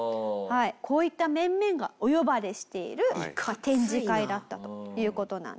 こういった面々がお呼ばれしている展示会だったという事なんです。